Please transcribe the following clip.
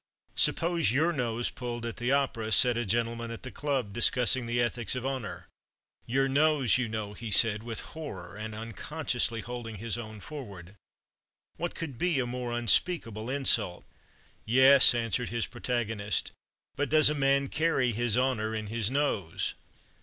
"Suppose your nose pulled at the opera," said a gentleman at the club, discussing the ethics of honor "your nose, you know," he said, with horror, and unconsciously holding his own forward "what could be a more unspeakable insult?" "Yes," answered his protagonist; "but does a man carry his honor in his nose?"